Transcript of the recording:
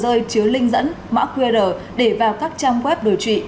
đối tượng đã đưa linh dẫn mã qr để vào các trang web đối trị